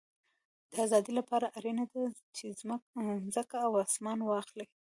د آزادۍ له پاره اړینه ده، چي مځکه او اسمان واخلې.